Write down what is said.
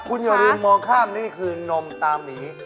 คุณอย่าลืมมองข้ามนี่คือนมตามี